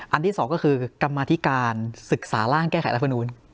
อันที่สองก็คือกรรมีการศึกษาร่างแก้ไขแลกฟือนูน